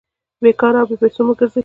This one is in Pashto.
بې کاره او بې پېسو مه ګرځئ!